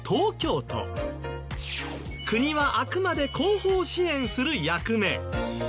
国はあくまで後方支援する役目。